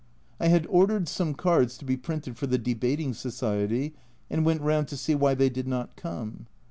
I had ordered some cards to be printed for the Debating Society and went round to see why they did not come.